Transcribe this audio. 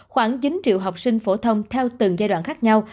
khoảng chín triệu học sinh phổ thông theo từng giai đoạn khác nhau